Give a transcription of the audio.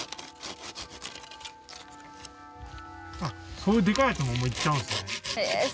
そういうでかいやつももういっちゃうんですね。